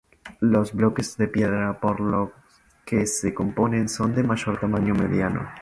Los bloques de piedras por los que se componen son de tamaño mediano.